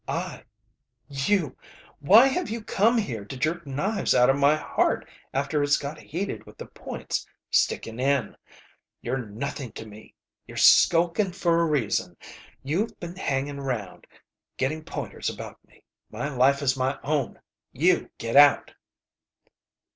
I You Why have you come here to jerk knives out of my heart after it's got healed with the points sticking in? You're nothing to me. You're skulking for a reason. You've been hanging around, getting pointers about me. My life is my own! You get out!"